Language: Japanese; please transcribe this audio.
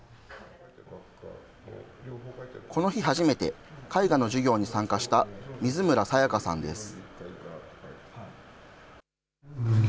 この日初めて、絵画の授業に参加した水村清夏さんです。